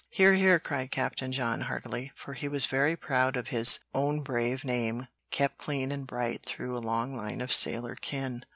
"Hear! hear!" cried Captain John, heartily; for he was very proud of his own brave name kept clean and bright through a long line of sailor kin.